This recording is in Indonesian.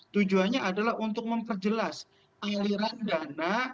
tujuannya adalah untuk memperjelas aliran dana